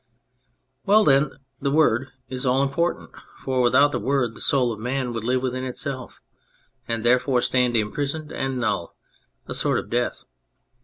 Well then, the Word is all important, for without the W T ord the soul of man would live within itself, and therefore stand imprisoned and null, a sort of death.